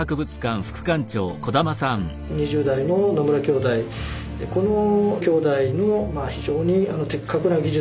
２０代の野村兄弟この兄弟の非常に的確な技術